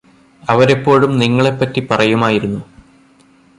അവരെപ്പോഴും നിങ്ങളെപ്പറ്റി പറയുമായിരുന്നു